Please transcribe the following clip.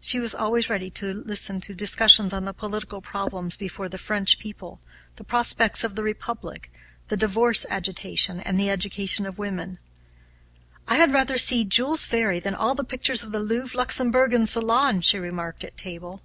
She was always ready to listen to discussions on the political problems before the French people, the prospects of the Republic, the divorce agitation, and the education of women. 'I had rather see Jules Ferry than all the pictures of the Louvre, Luxembourg, and Salon,' she remarked at table.